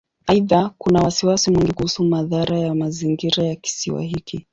Aidha, kuna wasiwasi mwingi kuhusu madhara ya mazingira ya Kisiwa hiki.